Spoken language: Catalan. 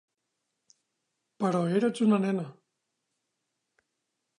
Però erets una nena.